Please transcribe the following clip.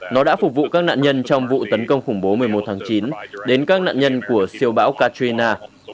nó đã phục vụ các nạn nhân trong vụ tấn công khủng bố một mươi một tháng chín đến các nạn nhân của siêu bão catrina